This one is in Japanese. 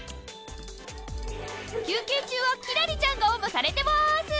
休憩中はキラリちゃんがおんぶされてます！